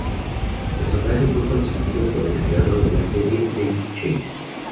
El personaje fue concebido por el creador de la serie, David Chase.